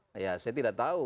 saya tidak tahu